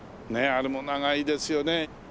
ねえあれも長いですよね。